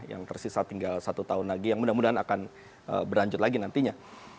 yang tersisa tinggal satu tahun lagi yang mudah mudahan akan berlanjut lagi nantinya